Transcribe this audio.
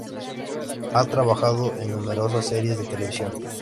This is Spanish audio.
Ha trabajado en numerosas series de televisión.